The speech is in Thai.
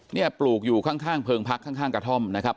ปลูกอยู่ข้างเพลิงพักข้างกระท่อมนะครับ